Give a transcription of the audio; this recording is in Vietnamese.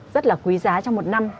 rất là quý giá trong một năm